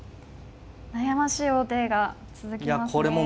悩ましい王手が続きますね。